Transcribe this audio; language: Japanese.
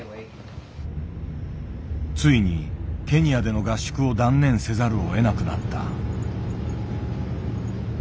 ついにケニアでの合宿を断念せざるをえなくなった。